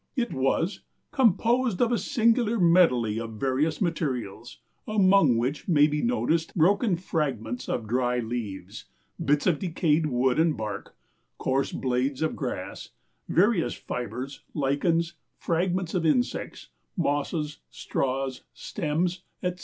It was "composed of a singular medley of various materials, among which may be noticed broken fragments of dry leaves, bits of decayed wood and bark, coarse blades of grass, various fibers, lichens, fragments of insects, mosses, straws, stems, etc.